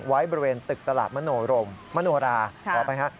ไว้บริเวณตึกตลาดมโนราออกไปครับ